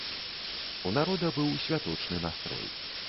У народа быў святочны настрой.